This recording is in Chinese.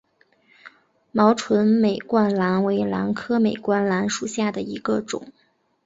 毛唇美冠兰为兰科美冠兰属下的一个种。